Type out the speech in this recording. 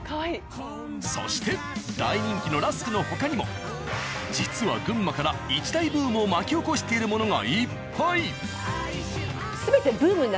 そして大人気のラスクの他にも実は群馬から一大ブームを巻き起こしているものがいっぱい。